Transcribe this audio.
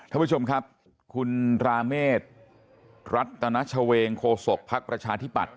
ท่านผู้ชมครับคุณราเมษรัตนชเวงโคศกภักดิ์ประชาธิปัตย